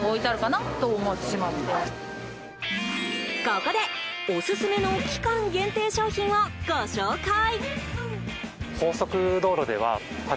ここで、オススメの期間限定商品をご紹介。